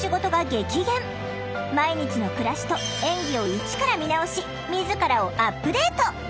毎日の暮らしと演技をイチから見直し自らをアップデート！